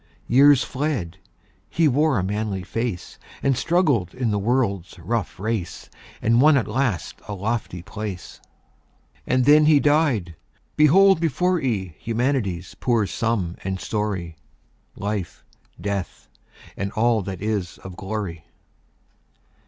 Years fled; he wore a manly face, And struggled in the world's rough race, And won at last a lofty place. And then he died! Behold before ye Humanity's poor sum and story; Life, Death, and all that is of glory.